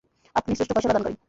আপনিই শ্রেষ্ঠ ফয়সালা দানকারী।